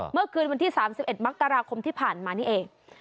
เมื่อคืนวันที่๓๑มกราคมที่ผ่านมานี่เอง